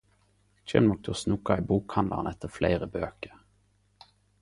Eg kjem nok til å snoke i bokhandlane etter fleire bøker......